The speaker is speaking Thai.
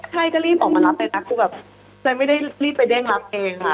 ใช่ก็รีบออกมารับเลยนะคือแบบจะไม่ได้รีบไปเร่งรับเองค่ะ